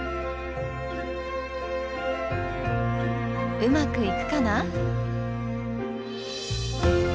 うまくいくかな？